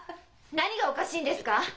何がおかしいんですか！？